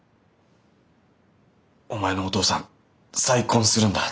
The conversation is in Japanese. お前のお父さん再婚するんだ。